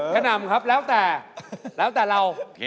กะนำครับแล้วแต่เรา